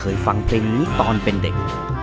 ฟังเพลงนี้ตอนเป็นเด็ก